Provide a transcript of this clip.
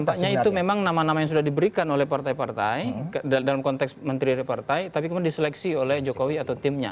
tampaknya itu memang nama nama yang sudah diberikan oleh partai partai dalam konteks menteri dari partai tapi kemudian diseleksi oleh jokowi atau timnya